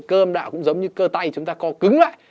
cơ âm đạo cũng giống như cơ tay chúng ta co cứng lại